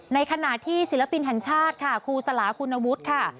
ในขณะที่ศิลปินทางชาติคุณสลาคุณวุฒิค่ะ